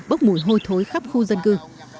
bốc mùi hôi thối khắp khu dân cư